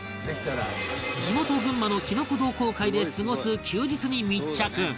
地元群馬のきのこ同好会で過ごす休日に密着